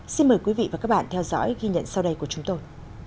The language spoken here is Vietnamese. xin mời quý vị và các bạn theo dõi ghi nhận sau đây của chúng tôi